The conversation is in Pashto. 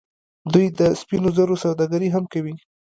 دوی د سپینو زرو سوداګري هم کوي.